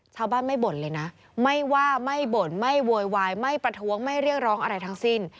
ชาวบ้านไม่บ่นเลยนะไม่ว่าไม่บ่นไม่โวยวายไม่ประท้วงไม่เรียกร้องอะไรทั้งสิ้น